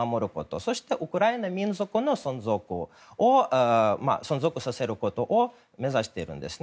そして、ウクライナ民族を存続させることを目指しているんですね。